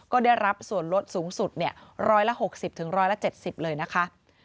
ก็ได้รับส่วนลดสูงสุด๑๖๐๑๗๐เลยนะคะ